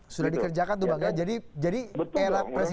sudah dikerjakan tuh pak sby jadi elak presiden sby